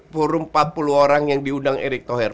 forum empat puluh orang yang diundang erik thoher